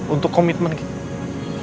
untuk komitmen kita